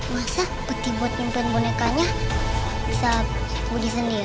masa peti buat pimpin bonekanya bisa budi sendiri